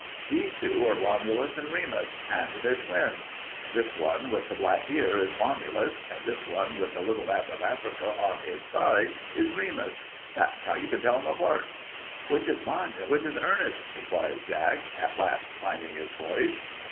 These two are Romulus and Remus and they're twins. This one with the black ear is Romulus, and this one with the little map of Africa on his side is Remus. That's how you can tell 'em apart." "Which is mine and which is Ernest's?" inquired Jack, at last finding his voice.